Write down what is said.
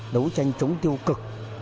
đấu tranh chống tiêu cực